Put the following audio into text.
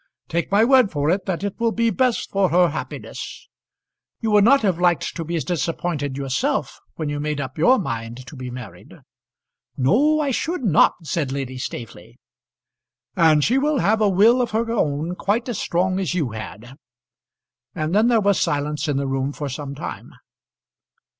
Take my word for it that it will be best for her happiness. You would not have liked to be disappointed yourself, when you made up your mind to be married." "No, I should not," said Lady Staveley. "And she will have a will of her own quite as strong as you had." And then there was silence in the room for some time.